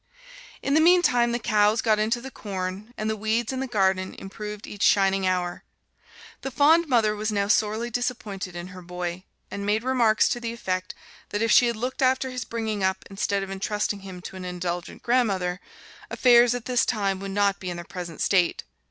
In the meantime the cows got into the corn, and the weeds in the garden improved each shining hour. The fond mother was now sorely disappointed in her boy, and made remarks to the effect that if she had looked after his bringing up instead of entrusting him to an indulgent grandmother, affairs at this time would not be in their present state.